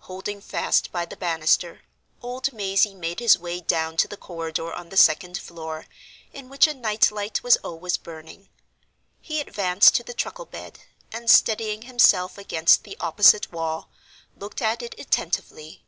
Holding fast by the banister, old Mazey made his way down to the corridor on the second floor, in which a night light was always burning. He advanced to the truckle bed, and, steadying himself against the opposite wall, looked at it attentively.